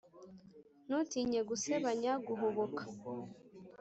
ntutinye gusebanya, guhubuka;